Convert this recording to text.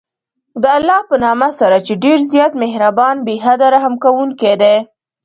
د الله په نامه سره چې ډېر زیات مهربان، بې حده رحم كوونكى دى.